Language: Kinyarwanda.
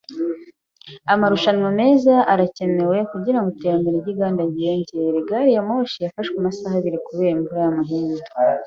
Amarushanwa meza arakenewe kugirango iterambere ryinganda ryiyongere. Gari ya moshi yafashwe amasaha abiri kubera imvura y'amahindu.